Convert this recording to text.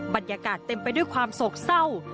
บรรยากาศเต็มไปด้วยความโศกเศร้า